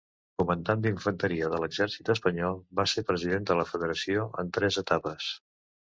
Comandant d'infanteria de l'exèrcit espanyol, va ser president de la federació en tres etapes.